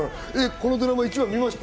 このドラマ、１話見ました？